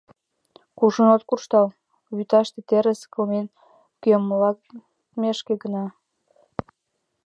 Кужун от куржтал — вӱташте терыс кылмен кӱэмалтмешке гына.